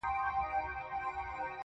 لكه برېښنا.